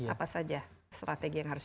apa saja strategi yang harus